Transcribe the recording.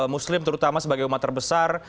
muslim terutama sebagai umat terbesar